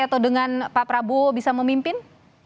atau dengan pak prabowo bisa memimpin